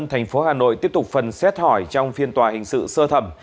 thành phố hà nội tiếp tục phần xét hỏi trong phiên tòa hình sự sơ thẩm